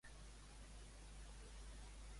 On es defensa el dret d'autodeterminació?